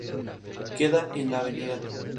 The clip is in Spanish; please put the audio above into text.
Queda en la Av.